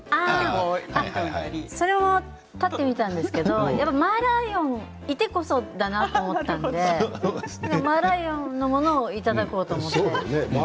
それも撮ってみたんですけれどマーライオンがいてこそだなと思ったのでマーライオンのものをいただこうと思って。